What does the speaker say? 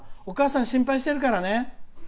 お母さん、心配してるからね！